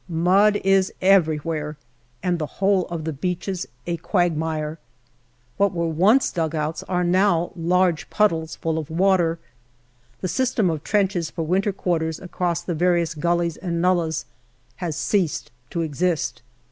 Mud is everywhere, and the whole of the beaches a quagmire. What were once dugouts are now large puddles full of water. The system of trenches for winter quarters across the various gullies and nullahs has ceased to exist.